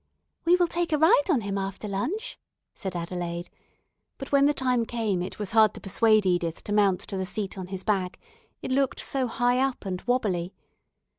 "We will take a ride on him after lunch," said Adelaide, but when the time came it was hard to persuade Edith to mount to the seat on his back; it looked so high up and wobbly.